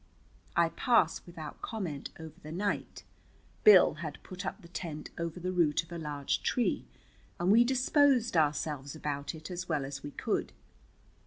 I pass without comment over the night. Bill had put up the tent over the root of a large tree, and we disposed ourselves about it as well as we could.